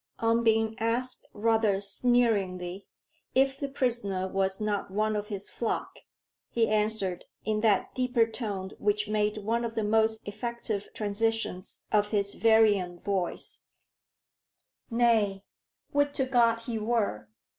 On being asked rather sneeringly, if the prisoner was not one of his flock? he answered, in that deeper tone which made one of the most effective transitions of his varying voice "Nay would to God he were!